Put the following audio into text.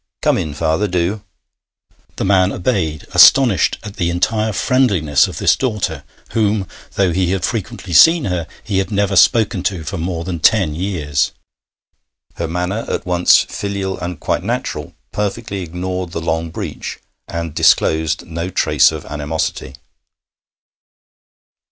'Come in, father, do.' The man obeyed, astonished at the entire friendliness of this daughter, whom, though he had frequently seen her, he had never spoken to for more than ten years. Her manner, at once filial and quite natural, perfectly ignored the long breach, and disclosed no trace of animosity.